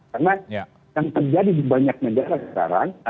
karena yang terjadi di banyak negara sekarang